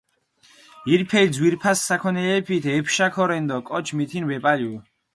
ირფელი ძვირფასი საქონელეფით ეფშა ქორენ დო კოჩი მითინი ვეპალუ.